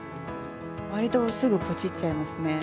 わりとすぐぽちっちゃいますね。